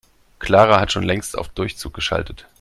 Clara hat schon längst auf Durchzug geschaltet.